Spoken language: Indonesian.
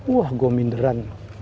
wah gue minderan